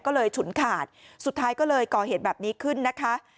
ก็เลยฉุนขาดสุดท้ายก็เลยก่อเหตุแบบนี้ขึ้นนะคะ